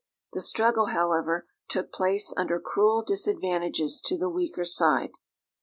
The struggle, however, took place under cruel disadvantages to the weaker side.